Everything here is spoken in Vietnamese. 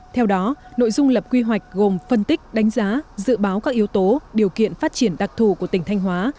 theo đó nội dung lập quy hoạch gồm phân tích đánh giá dự báo các yếu tố điều kiện phát triển đặc thù của tỉnh thanh hóa